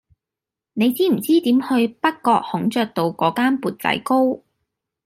你知唔知點去北角孔雀道嗰間缽仔糕